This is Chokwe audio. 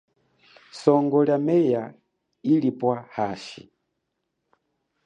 Songo lia meya ilipwa hashi.